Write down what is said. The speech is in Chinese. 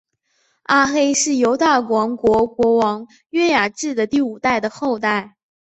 阿黑是犹大王国国王约雅敬的第五代的后代。